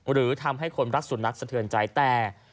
หรือทำให้คนรักสุนัขสะเทือนใจแต่